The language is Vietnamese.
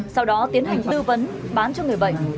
sau đó tiến hành tư vấn bán cho người bệnh